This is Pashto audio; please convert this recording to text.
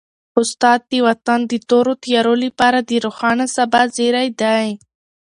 استاد د وطن د تورو تیارو لپاره د روښانه سبا زېری دی.